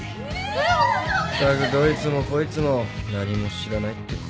ったくどいつもこいつも何も知らないって怖いね。